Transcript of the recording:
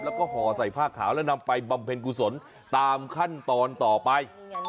แล้วก็ห่อใส่ผ้าขาวแล้วนำไปบำเพ็ญกุศลตามขั้นตอนต่อไป